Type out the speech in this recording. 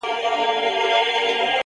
بيا به يې خپه اشـــــــــــــنا ـ